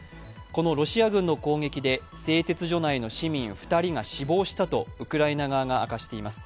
このロシア軍の攻撃で製鉄所内の市民２人が死亡したとウクライナ側が明かしています。